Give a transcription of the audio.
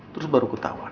terus baru ketahuan